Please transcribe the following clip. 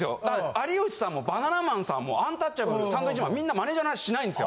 有吉さんもバナナマンさんもアンタッチャブルサンドウィッチマンみんなマネジャーの話しないんです。